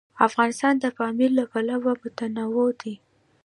افغانستان د پامیر له پلوه متنوع دی.